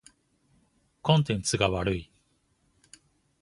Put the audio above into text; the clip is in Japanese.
コンテンツが悪い。